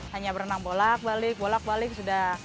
hanya berenang bolak balik bolak balik sudah